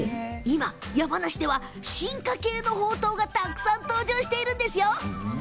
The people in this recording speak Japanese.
山梨では今、進化系ほうとうがたくさん誕生しているんです。